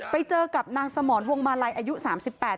ไปเจอกับนางสมรวงมาลัยอายุสามสิบแปด